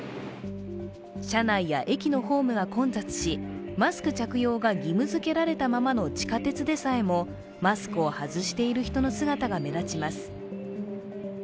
車内や駅のホームが混雑しマスク着用が義務づけられたままの地下鉄でさえもマスクを外している人の姿が目立ちます。